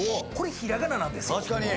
これひらがななんですよ。